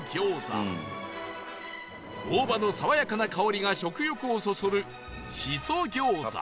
大葉の爽やかな香りが食欲をそそる